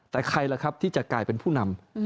แต่ใครล่ะครับที่จะกลายเป็นผู้นำ